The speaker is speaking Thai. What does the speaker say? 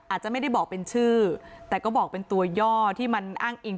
อาจจะไม่ได้บอกเป็นชื่อแต่ก็บอกเป็นตัวย่อที่มันอ้างอิง